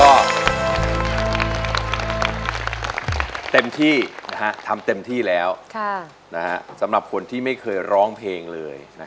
ก็เต็มที่ทำเต็มที่แล้วสำหรับคนที่ไม่เคยร้องเพลงเลย